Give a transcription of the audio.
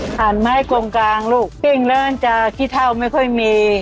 ฐานไม้กงกลางลูกปิ้งแล้วมันจะขี้เท่าไม่ค่อยมี